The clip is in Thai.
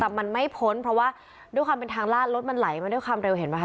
แต่มันไม่พ้นเพราะว่าด้วยความเป็นทางลาดรถมันไหลมาด้วยความเร็วเห็นไหมค